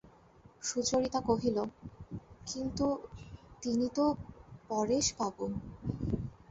সুচরিতা কহিল, কিন্তু, তিনি তো– পরেশবাবু।